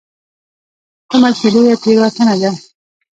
کومه چې لویه تېروتنه ده.